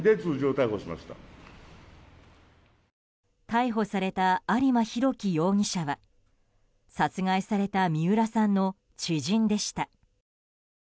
逮捕された有馬滉希容疑者は殺害された三浦さんの知人でした。